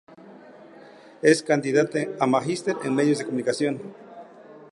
Es candidata a magister en Medios de comunicación.